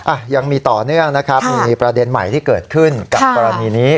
อ่ะยังมีต่อเนื่องนะครับมีประเด็นใหม่ที่เกิดขึ้นกับกรณีนี้